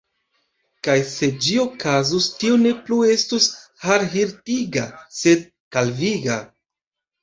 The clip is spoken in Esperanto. Kaj se ĝi okazus, tio ne plu estus harhirtiga, sed kalviga.